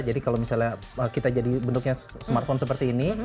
jadi kalau misalnya kita jadi bentuknya smartphone seperti ini